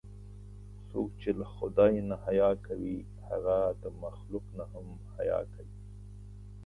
څوک چې له خدای نه حیا کوي، هغه د مخلوق نه هم حیا کوي.